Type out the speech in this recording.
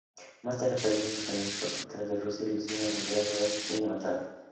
Más tarde, aparecieron protegiendo las fronteras de Rusia, luciendo armaduras nuevas y más avanzadas.